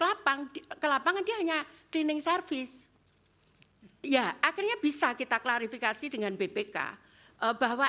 lapang ke lapangan dia hanya cleaning service ya akhirnya bisa kita klarifikasi dengan bpk bahwa